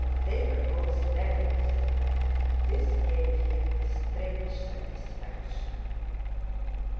They were both beggars. This gave him a strange satisfaction.